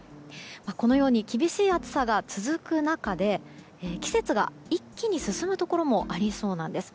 このように厳しい暑さが続く中で季節が一気に進むところもありそうなんです。